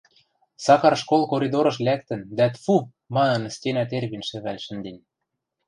Сакар школ коридорыш лӓктӹн дӓ тфу! манын стенӓ тервен шӹвӓл шӹнден.